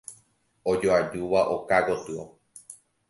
Ojoajúva oka gotyo.